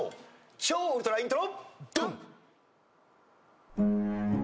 超ウルトライントロ。